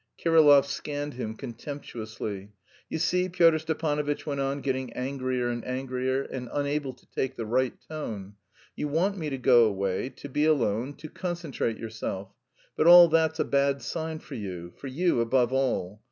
Kirillov scanned him contemptuously. "You see," Pyotr Stepanovitch went on, getting angrier and angrier, and unable to take the right tone, "you want me to go away, to be alone, to concentrate yourself, but all that's a bad sign for you for you above all.